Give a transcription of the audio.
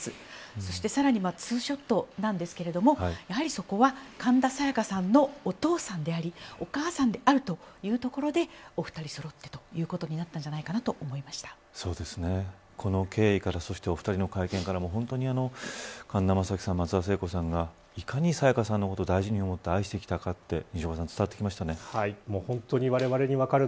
そしてさらにツーショットですがやはりそこは神田沙也加さんのお父さんでありお母さんであるというところでお二人そろってということになったんじゃないかとこの経緯からそしてお二人の会見からも神田正輝さん、松田聖子さんがいかに沙也加さんを大事に思って愛してきたかということが非常に伝わってきましたね。